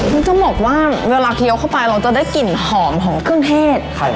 คือจะบอกว่าเวลาเคี้ยวเข้าไปเราจะได้กลิ่นหอมของเครื่องเทศ